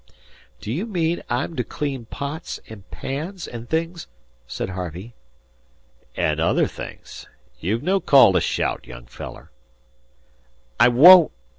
"Do you mean I'm to clean pots and pans and things?" said Harvey. "An' other things. You've no call to shout, young feller." "I won't!